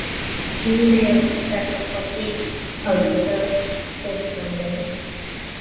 مینه یو څه ترخه خوښي او یو څه خوږ غم لري.